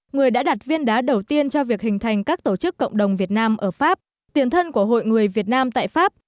người đã đặt viên đá đầu tiên cho việc hình thành các tổ chức cộng đồng việt nam ở pháp tiền thân của hội người việt nam tại pháp